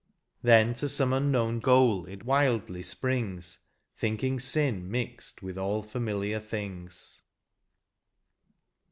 Then to some unknown goal it wildly springs, Thinking sin mixed with all familiar things.